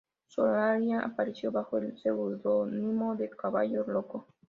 Solari apareció bajo el seudónimo de "Caballo Loco".